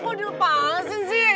kok dia palsin sih